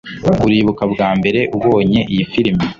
uribuka bwa mbere ubonye iyi firime